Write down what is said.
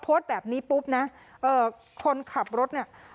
โพสต์แบบนี้ปุ๊บนะเอ่อคนขับรถเนี่ย